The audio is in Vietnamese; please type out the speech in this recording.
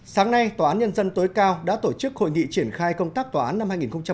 sáng nay tòa án nhân dân tối cao đã tổ chức hội nghị triển khai công tác tòa án năm hai nghìn hai mươi